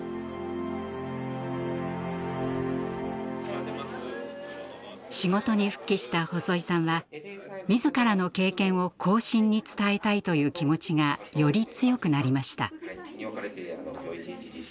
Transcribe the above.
やっぱし仕事に復帰した細井さんは自らの経験を後進に伝えたいという気持ちがより強くなりました。